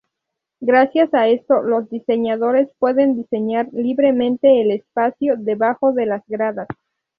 Gracias a esto, los diseñadores pueden diseñar libremente el espacio debajo de las gradas.